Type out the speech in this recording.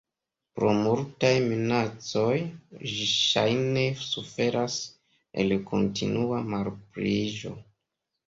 Pro multaj minacoj ĝi ŝajne suferas el kontinua malpliiĝo.